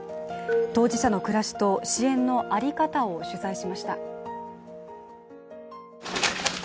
当事者の暮らしと支援の在り方を取材しました。